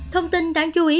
thông tin đáng chú ý